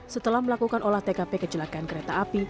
setelah melakukan olah tkp kecelakaan kereta api